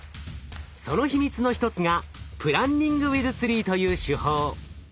その秘密の一つがプランニングウィズツリーという手法。